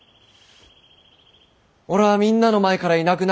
俺はみんなの前からいなくなる。